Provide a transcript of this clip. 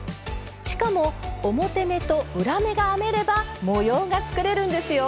しかも表目と裏目が編めれば模様が作れるんですよ！